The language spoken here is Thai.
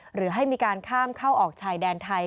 หรือให้มีการข้ามเข้าออกชายแดนไทย